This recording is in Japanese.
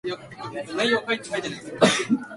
あとなんこ書かなきゃいけないのだろう